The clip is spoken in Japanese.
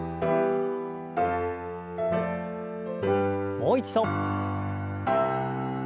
もう一度。